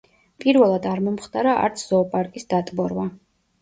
პირველად არ მომხდარა არც ზოოპარკის დატბორვა.